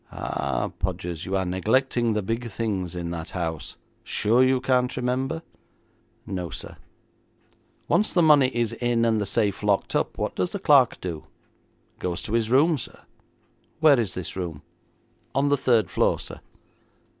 'Ah, Podgers, you are neglecting the big things in that house. Sure you can't remember?' 'No, sir.' 'Once the money is in and the safe locked up, what does the clerk do?' 'Goes to his room, sir.' 'Where is this room?' 'On the third floor, sir.'